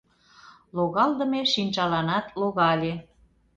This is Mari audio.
Логалдыме шинчаланат логале.